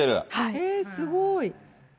えー、すごい。